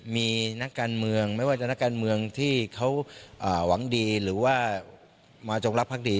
มีนักการเมืองไม่ว่าจะนักการเมืองที่เขาหวังดีหรือว่ามาจงรักภักดี